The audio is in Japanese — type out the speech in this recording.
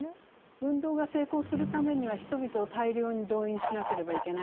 運動が成功するためには人々を大量に動員しなければいけない